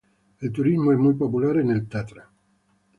El turismo es muy popular en el Tatra.